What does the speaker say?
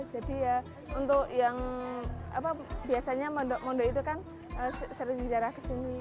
jadi ya untuk yang biasanya mondok mondok itu kan sering jarak ke sini